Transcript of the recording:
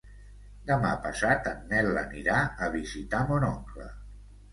Demà passat en Nel anirà a visitar mon oncle.